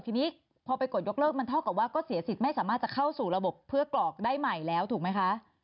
ทีนี้พอไปกดยกเลิกมันเท่ากับว่าก็เสียสิทธิ์ไม่สามารถจะเข้าสู่ระบบเพื่อกรอกได้ใหม่แล้วถูกไหมคะ